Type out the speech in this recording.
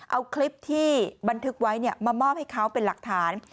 เอาคลิปที่บันทึกไว้มามอบให้เขาเป็นหลักฐาน